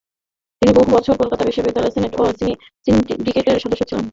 তিনি বহু বছর কলকাতা বিশ্ববিদ্যালয়ের সেনেট ও সিন্ডিকেটের সদস্য ছিলেন।